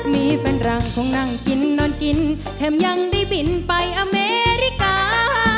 มีแฟนรังคงนั่งกินนอนกินแถมยังได้บินไปอเมริกา